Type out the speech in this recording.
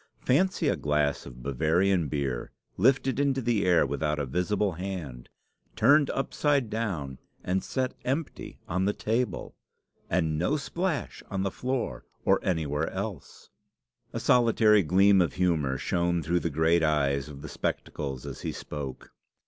Fancy a glass of Bavarian beer lifted into the air without a visible hand, turned upside down, and set empty on the table! and no splash on the floor or anywhere else!" A solitary gleam of humour shone through the great eyes of the spectacles as he spoke.